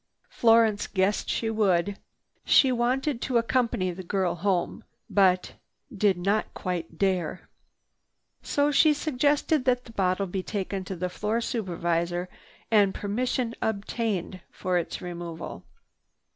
Florence guessed she would. She wanted to accompany the girl home, but did not quite dare. So she suggested that the bottle be taken to the floor supervisor and permission obtained for its removal.